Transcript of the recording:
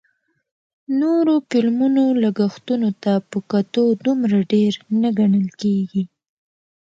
نورو فلمونو لګښتونو ته په کتو دومره ډېر نه ګڼل کېږي